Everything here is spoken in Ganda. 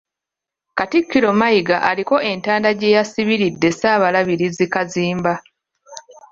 Katikkiro Mayiga aliko entanda gye yasibiridde Ssaabalabirizi Kazimba.